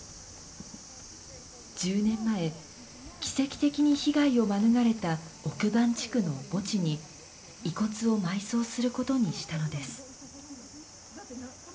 １０年前奇跡的に被害を免れた奥番地区の墓地に遺骨を埋葬することにしたのです。